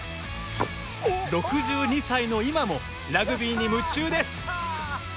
６２歳の今もラグビーに夢中です。